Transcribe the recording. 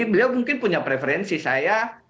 beliau mungkin punya preferensi saya